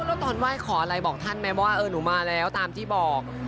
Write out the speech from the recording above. แล้วตอนไหว้ขออะไรบอกท่านไหมว่าเออหนูมาแล้วตามที่บอก